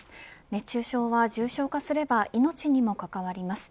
熱中症は重症化すれば命にも関わります。